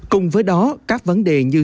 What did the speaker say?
cùng với đó các vấn đề như